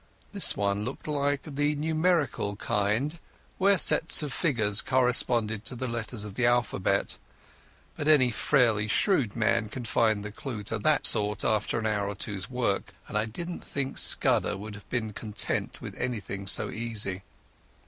This one looked like the numerical kind where sets of figures correspond to the letters of the alphabet, but any fairly shrewd man can find the clue to that sort after an hour or two's work, and I didn't think Scudder would have been content with anything so easy.